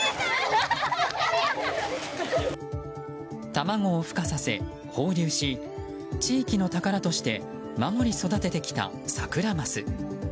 卵をふ化させ放流し地域の宝として守り育ててきたサクラマス。